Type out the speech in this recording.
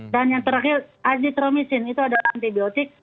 dan yang terakhir azithromycin itu adalah antibiotik